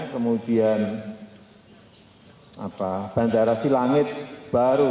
kemudian bandara silangit baru